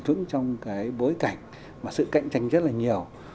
vững trong cái bối cảnh mà sự cạnh tranh rất là nhiều